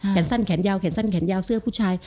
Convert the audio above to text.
แขนสั้นแขนยาวแขนสั้นแขนยาวเสื้อผู้ชาย